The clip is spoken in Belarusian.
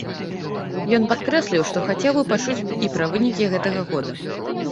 Ён падкрэсліў, што хацеў бы пачуць і пра вынікі гэтага года.